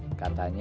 dia lagi tangis